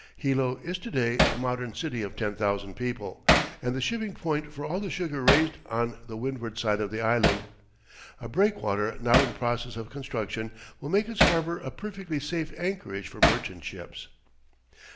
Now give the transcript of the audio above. Hilo is to day a modern city of 10,000 people, and the shipping point for all the sugar raised on the windward side of the island. A breakwater now in process of construction will make its harbour a perfectly safe anchorage for merchant ships.